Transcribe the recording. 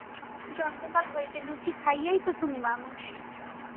জন্মকাল হইতে লুচি খাইয়াই তো তুমি মানুষ।